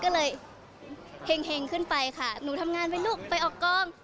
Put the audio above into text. ก็เลยเห็งขึ้นไปค่ะหนูทำงานเป็นลูกไปออกกล้อง